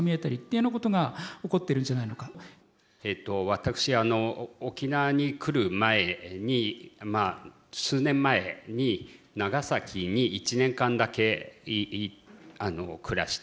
私あの沖縄に来る前に数年前に長崎に１年間だけ暮らして。